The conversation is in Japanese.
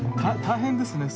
大変ですね。